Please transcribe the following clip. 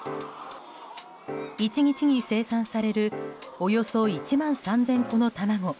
１日に生産されるおよそ１万３０００個の卵。